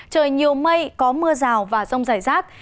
trời nhiều mây có mưa rào và rông dài rát